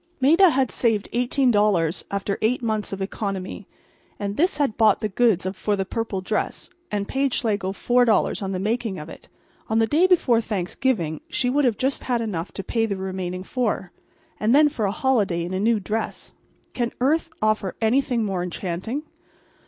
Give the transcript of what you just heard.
Maida had saved $18 after eight months of economy; and this had bought the goods for the purple dress and paid Schlegel $4 on the making of it. On the day before Thanksgiving she would have just enough to pay the remaining $4. And then for a holiday in a new dress—can earth offer anything more enchanting?